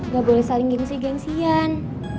gak boleh saling gengsi gengsian